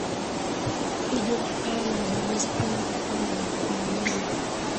ije tukawa na ubaguzi tena tukawa na mfaragano